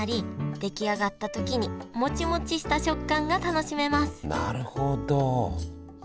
出来上がった時にモチモチした食感が楽しめますなるほど！